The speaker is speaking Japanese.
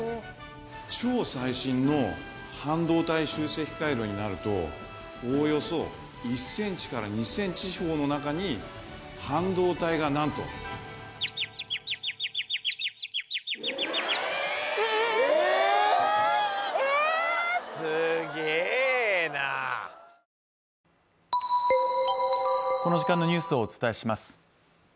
超最新の半導体集積回路になるとおおよそ１ｃｍから２ｃｍ四方の中に半導体が何とこの時間のニュースをお伝えします